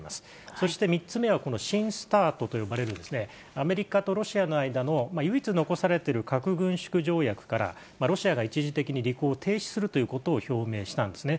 そして３つ目は、この新ＳＴＡＲＴと呼ばれる、アメリカとロシアの間の唯一残されている核軍縮条約からロシアが一時的に履行を停止するということを表明したんですね。